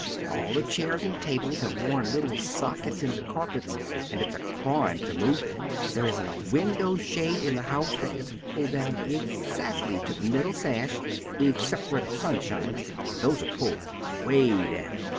All the chairs and tables have worn little sockets in the carpets, and it's a crime to move them. There isn't a window shade in the house that isn't pulled down EXACTLY to the middle sash, except where the sun shines, and those are pulled way down.